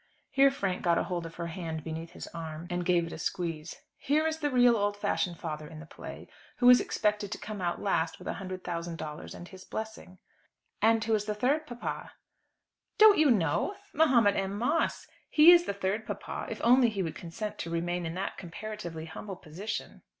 Here Frank got a hold of her hand beneath his arm, and gave it a squeeze. "He is the real old fashioned father in the play, who is expected to come out at last with a hundred thousand dollars and his blessing." "And who is the third papa?" "Don't you know? Mahomet M. Moss. He is the third papa if only he would consent to remain in that comparatively humble position."